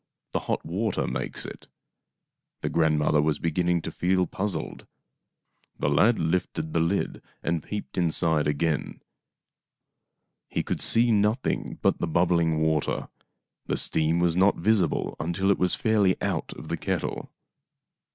The hot water makes it." The grandmother was beginning to feel puzzled. The lad lifted the lid and peeped inside again. He could see nothing but the bubbling water. The steam was not visible until after it was fairly out of the kettle.